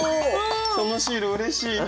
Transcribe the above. そのシールうれしい！